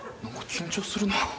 何か緊張するな。